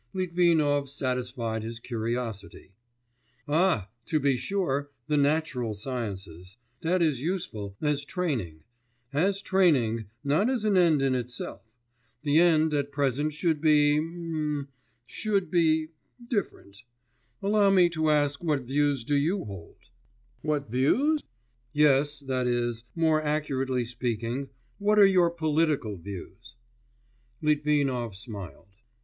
Litvinov satisfied his curiosity. 'Ah! to be sure, the natural sciences. That is useful, as training; as training, not as an end in itself. The end at present should be ... mm ... should be ... different. Allow me to ask what views do you hold?' 'What views?' 'Yes, that is, more accurately speaking, what are your political views?' Litvinov smiled.